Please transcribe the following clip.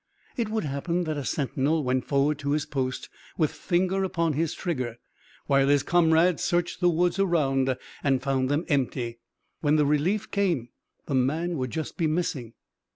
It would happen that a sentinel went forward to his post with finger upon his trigger, while his comrades searched the woods around and found them empty. When the relief came, the man would just be missing.